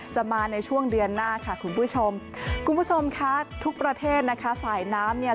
จะมาในช่วงเดือนหน้าค่ะคุณผู้ชมคุณผู้ชมค่ะทุกประเทศนะคะสายน้ำเนี่ย